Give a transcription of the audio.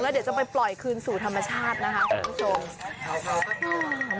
เดี๋ยวจะไปปล่อยคืนสู่ธรรมชาตินะคะคุณผู้ชม